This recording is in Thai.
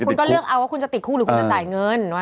คุณก็เลือกเอาว่าคุณจะติดคู่หรือคุณจะจ่ายเงิน